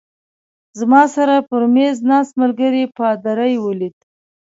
زما سره پر مېز ناست ملګري پادري ولید.